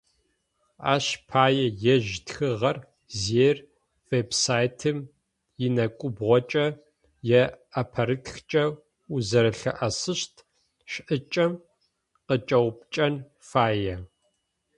Ащ пае ежь тхыгъэр зиер веб-сайтым инэкӏубгъокӏэ, е ӏэпэрытхкӏэ узэрэлъыӏэсыщт шӏыкӏэм къыкӏэупчӏэн фае.